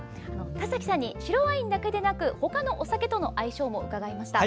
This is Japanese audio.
田崎さんに白ワインだけでなくほかのお酒との相性も伺いました。